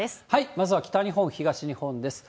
まずは北日本、東日本です。